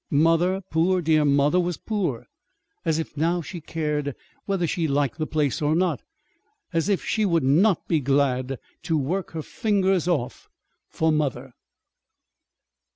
Mother, poor, dear mother, was poor! As if now she cared whether she liked the place or not! As if she would not be glad to work her fingers off for mother!